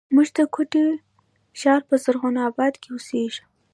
موږ د کوټي ښار په زرغون آباد کښې اوسېږو